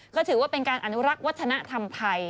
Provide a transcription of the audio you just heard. ก็ถือว่าเป็นการอนุรักษ์วัฒนธรรมไทย